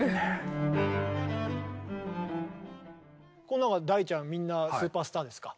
この中大ちゃんみんなスーパースターですか？